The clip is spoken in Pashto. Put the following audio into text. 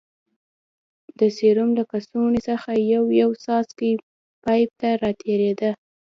د سيروم له کڅوړې څخه يو يو څاڅکى پيپ ته راتېرېده.